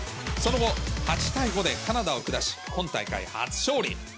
その後、８対５でカナダを下し、今大会初勝利。